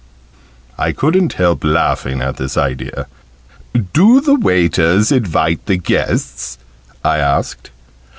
I couldn't help laughing at this idea. "Do the waiters invite the guests?" I asked.